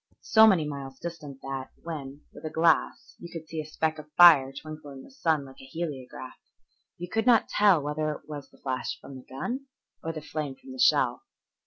So many miles distant that when, with a glass, you could see a speck of fire twinkle in the sun like a heliograph, you could not tell whether it was the flash from the gun or the flame from the shell.